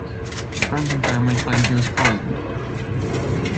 Friends and family claimed he was poisoned.